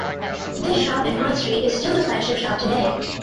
This shop in Pont Street is still the flagship shop today.